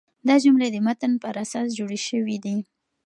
دا جملې د متن پر اساس جوړي سوي دي.